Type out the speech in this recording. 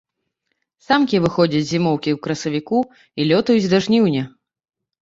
Самкі выходзяць з зімоўкі ў красавіку і лётаюць да жніўня.